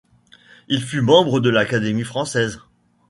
Il fut membre de l'Académie française.